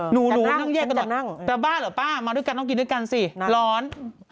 หนูหนูนั่งแยกกันเหรอแต่บ้าเหรอป้ามาด้วยกันต้องกินด้วยกันสิร้อน